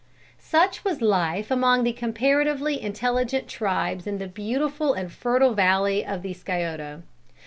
'" Such was life among the comparatively intelligent tribes in the beautiful and fertile valley of the Scioto.